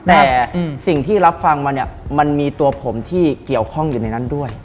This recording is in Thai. แต่สิ่งที่รับฟังมาเนี่ยมันมีตัวผมที่เกี่ยวข้องอยู่ในนั้นด้วย